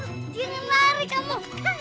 munyit jangan ambil nasiku